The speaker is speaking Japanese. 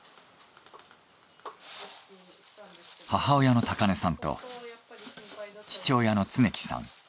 母親の高嶺さんと父親の恒紀さん。